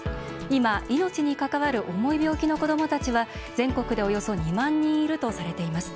今、命に関わる重い病気の子どもたちは全国でおよそ２万人いるとされています。